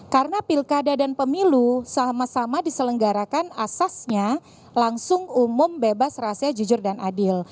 karena pilkada dan pemilu sama sama diselenggarakan asasnya langsung umum bebas rahasia jujur dan adil